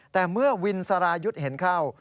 แต่เมื่อวินสรายุทธ์เห็นเข้า